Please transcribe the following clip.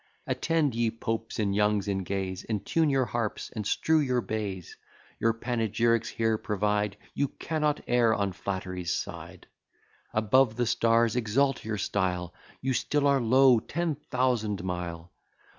Attend, ye Popes, and Youngs, and Gays, And tune your harps, and strew your bays: Your panegyrics here provide; You cannot err on flattery's side. Above the stars exalt your style, You still are low ten thousand mile.